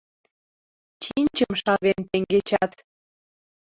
Чинчым шавен теҥгечат.